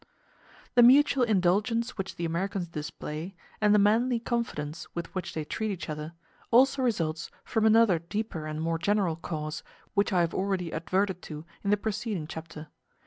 The mutual indulgence which the Americans display, and the manly confidence with which they treat each other, also result from another deeper and more general cause, which I have already adverted to in the preceding chapter.